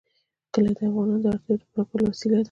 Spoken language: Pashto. کلي د افغانانو د اړتیاوو د پوره کولو وسیله ده.